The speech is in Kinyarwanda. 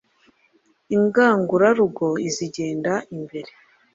ingangurarugo azigenda imbere